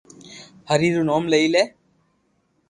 ھري رو نوم لئي جي